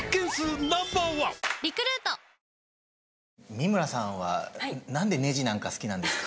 美村さんはなんでネジなんか好きなんですか？